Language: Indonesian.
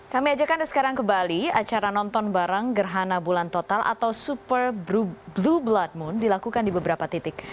kami ajak anda sekarang ke bali acara nonton bareng gerhana bulan total atau super blue blood moon dilakukan di beberapa titik